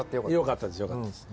よかったですよかったです。